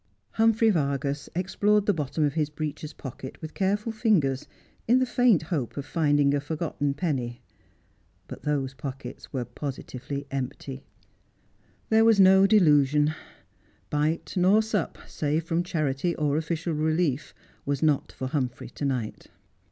Humphrey Vargas explored the bottom of his breeches pockets with careful fingers, in the faint hope of finding a forgotten penny. But those pockets were positively empty. There wa,s no 10 Just as I Am. delusion. Bite nor sup, save from charity or official relief, was not for Humphrey to night.